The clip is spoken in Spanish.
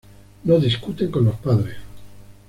No discuten con los padres.